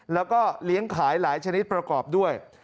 แล้วก็เลี้ยงขายหลายชนิดประกอบด้วย